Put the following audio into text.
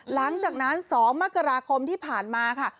หลังจากนั้น๒มกราคมที่ผ่านมาค่ะ